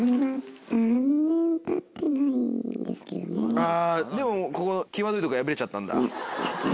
あぁでもここ際どいとこ破れちゃったんだ。